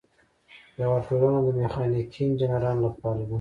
یوه ټولنه د میخانیکي انجینرانو لپاره ده.